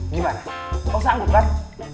gimana kau sanggup kan